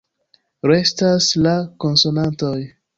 Restas la konsonantoj.